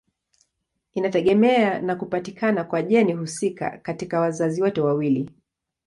Inategemea na kupatikana kwa jeni husika katika wazazi wote wawili.